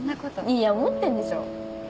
いや思ってんでしょ。